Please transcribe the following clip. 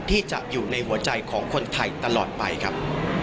ที่จะอยู่ในหัวใจของคนไทยตลอดไปครับ